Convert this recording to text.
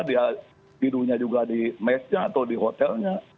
dia tidurnya juga di mesnya atau di hotelnya